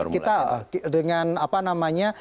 kita dengan apa namanya